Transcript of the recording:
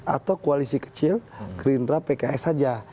atau koalisi kecil gerindra pks saja